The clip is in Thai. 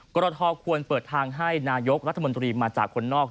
กรทควรเปิดทางให้นายกรัฐมนตรีมาจากคนนอก